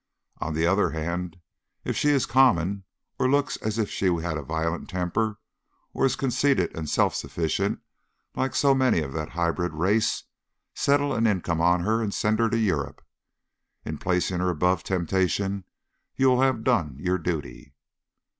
On the other hand, if she is common, or looks as if she had a violent temper, or is conceited and self sufficient like so many of that hybrid race, settle an income on her and send her to Europe: in placing her above temptation you will have done your duty."